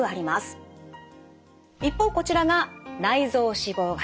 一方こちらが内臓脂肪型。